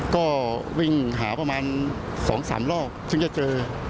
ก็วิ่งหาประมาณ๒๓รอบถึงจะเจอ